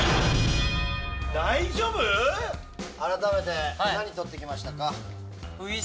改めて何取ってきましたか？